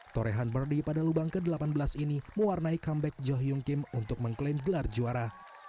torehan berdi pada lubang ke delapan belas ini mewarnai comeback jo hyung kim untuk mengklaim gelar juara